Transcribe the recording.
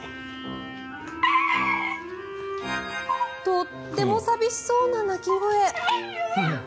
とっても寂しそうな鳴き声。